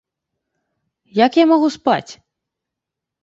Як я магу спаць?